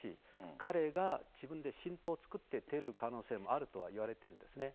彼が自分で新党を作って出る可能性もあるとは言われているんですね。